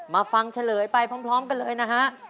มาฟังเฉลยไปพร้อมกันเลยนะฮะ